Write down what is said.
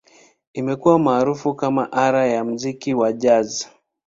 Imekuwa maarufu kama ala ya muziki wa Jazz.